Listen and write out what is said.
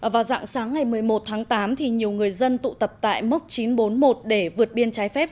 vào dạng sáng ngày một mươi một tháng tám nhiều người dân tụ tập tại mốc chín trăm bốn mươi một để vượt biên trái phép